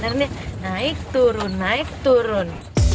nah ini naik turun naik turun